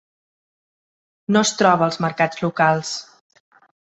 No es troba als mercats locals.